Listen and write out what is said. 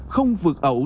không vượt ẩu